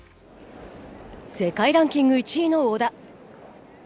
世界ランキング１位の小田。